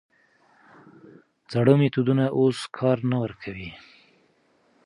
زاړه میتودونه اوس کار نه ورکوي.